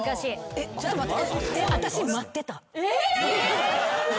えっちょっと待って。